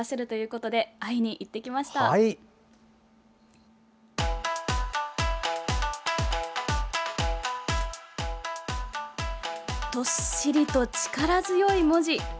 どっしりと力強い文字。